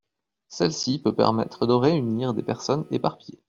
Celle-ci peut permettre de réunir des personnes éparpillées.